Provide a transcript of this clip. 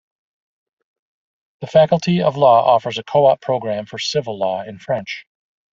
The faculty of law offers a co-op program for civil law in French.